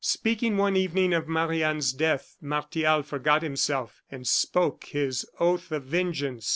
Speaking one evening of Marie Anne's death, Martial forgot himself, and spoke of his oath of vengeance.